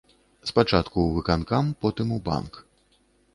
Спачатку ў выканкам, потым у банк.